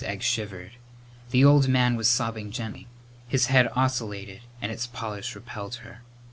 Egg shivered. The old man was sobbing gently. His head oscillated and its polish repelled her.